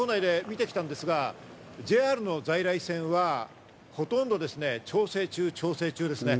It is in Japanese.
先ほど、駅の構内で見てきたんですが、ＪＲの在来線はほとんど調整中ですね。